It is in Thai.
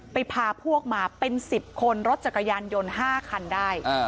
พาพวกมาเป็น๑๐คนรถจักรยานยนต์๕คันได้